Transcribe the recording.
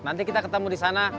nanti kita ketemu di sana